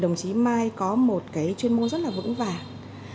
đồng chí mai có một cái chuyên môn rất là vững vàng